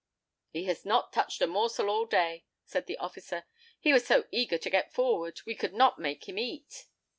"He has not touched a morsel all day," said the officer. "He was so eager to get forward, we could not make him eat."